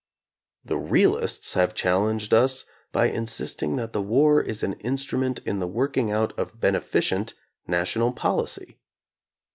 The realists have challenged us by insisting that the war is an instrument in the working out of beneficent national policy.